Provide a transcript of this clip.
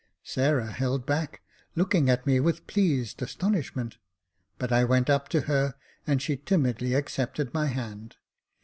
Sarah held back, looking at me with pleased astonishment ; but I went up to her, and she timidly accepted my hand.